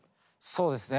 そうですね。